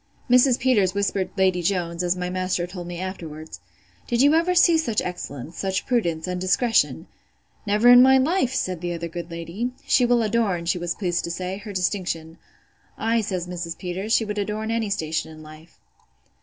Mrs. Peters whispered Lady Jones, as my master told me afterwards; Did you ever see such excellence, such prudence, and discretion? Never in my life, said the other good lady. She will adorn, she was pleased to say, her distinction. Ay, says Mrs. Peters, she would adorn any station in life.